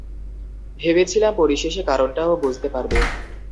ভেবেছিলাম পরিশেষে কারণটা ও বুঝতে পারবে।